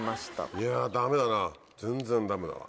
いやダメだな全然ダメだわ。